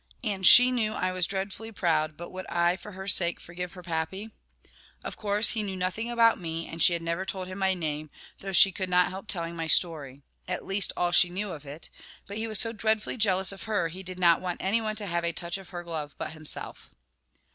And she knew I was dreadfully proud, but would I, for her sake, forgive her Pappy? Of course, he knew nothing about me, and she had never told him my name, though she could not help telling my story, at least all she knew of it; but he was so dreadfully jealous of her, he did not want any one to have a touch of her glove but himself.